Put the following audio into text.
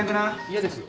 嫌ですよ。